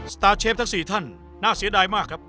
ตาร์เชฟทั้ง๔ท่านน่าเสียดายมากครับ